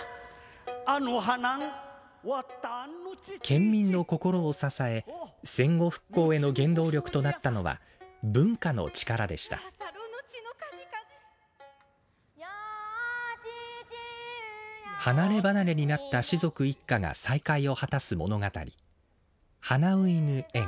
県民の心を支え戦後復興への原動力となったのは文化の力でした離れ離れになった士族一家が再会を果たす物語「花売の縁」。